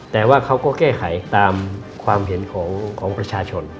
แต่ว่าเขาก็แก้ไขตามความเห็นของประชาชน